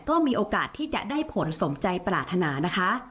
ก็มีโอกาสที่จะได้ผลสมใจปรารถนานะคะ